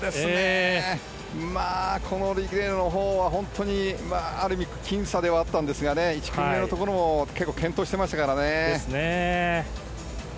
このレースある意味僅差ではあったんですが１組目のところ結構、健闘していましたから。